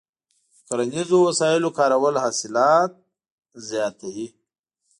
د کرنیزو وسایلو کارول حاصلات زیاتوي.